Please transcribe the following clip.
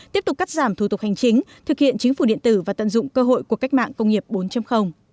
tiếp tục cắt giảm thủ tục hành chính thực hiện chính phủ điện tử và tận dụng cơ hội của cách mạng công nghiệp bốn